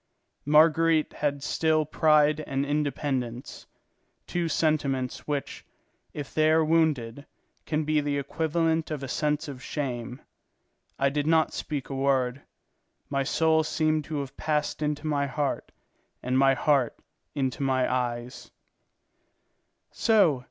Marguerite had still pride and independence, two sentiments which, if they are wounded, can be the equivalent of a sense of shame. I did not speak a word; my soul seemed to have passed into my heart and my heart into my eyes.